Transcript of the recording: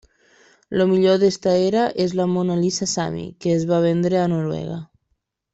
El millor d'aquesta era és la Mona Lisa sami, que es va vendre a Noruega.